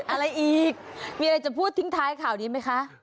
อะไรอีกมีอะไรจะพูดทิ้งท้ายข่าวนี้ไหมคะ